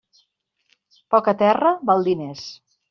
Poca terra val diners.